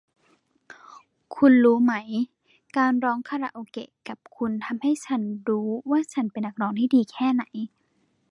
คุณรู้ไหมการร้องคาราโอเกะกับคุณทำให้ฉันรู้ว่าฉันเป็นนักร้องที่ดีแค่ไหน